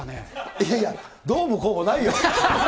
いやいや、どうもこうもないよ。